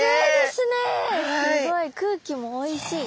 すごい空気もおいしい。